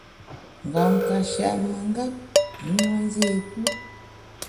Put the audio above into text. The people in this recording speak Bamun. Ngam ka shèt mengap, i nue nzé put.